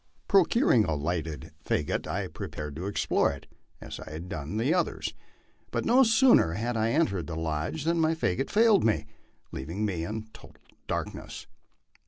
Procuring a lighted jfagot, I prepared to explore it, as I had done the others ; but no sooner had I en tered the lodge than my fagot failed me, leaving me in total darkness.